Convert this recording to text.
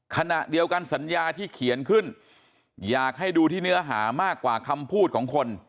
ขณะเดียวกันสัญญาที่เขียนขึ้นอยากให้ดูที่เนื้อหามากกว่าคำพูดของคน